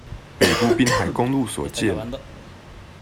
北部濱海公路所見